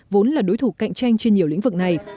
vốn là đối thủ cạnh tranh trên nhiều lĩnh vực này